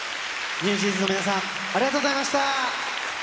ＮｅｗＪｅａｎｓの皆さん、ありがとうございました。